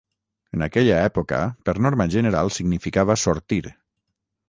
En aquella època, per norma general significava sortir.